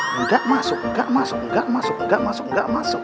enggak masuk enggak masuk enggak masuk enggak masuk enggak masuk